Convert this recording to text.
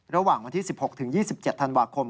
ระหว่างวันที่๑๖๒๗ธันวาคม